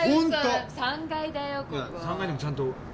「いや３階でもちゃんと」